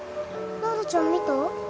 羅羅ちゃん見た？